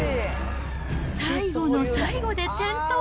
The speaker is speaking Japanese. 最後の最後で転倒。